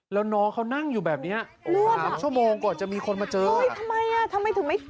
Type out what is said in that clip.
แล้วน้องเขานั่งอยู่แบบนี้สามชั่วโมงกว่าจะมีคนมาเจอเห้ยทำไมจริงมั้ย